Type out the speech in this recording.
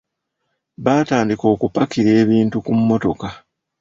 Baatandika okupakira ebintu ku mmotoka.